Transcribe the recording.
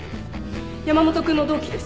山本君の同期です